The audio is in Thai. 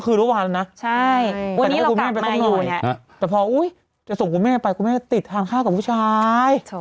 เราก็ส่งคุณแม่ไปคุณแม่ติดทานข้าวกับผู้ชาย